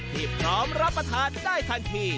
ที่พร้อมรับประทานได้ทันที